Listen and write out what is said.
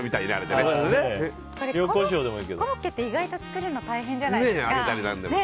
コロッケって意外と作るの大変じゃないですか。